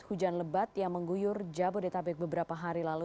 hujan lebat yang mengguyur jabodetabek beberapa hari lalu